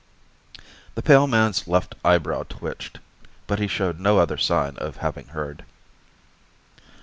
The pale man's left eyebrow twitched, but he showed no other sign of having heard.